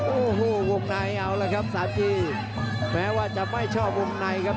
โอ้โหวงในเอาละครับสามจีแม้ว่าจะไม่ชอบวงในครับ